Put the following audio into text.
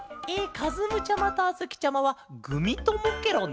かずむちゃまとあづきちゃまはグミともケロね。